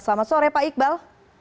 selamat sore pak iqbal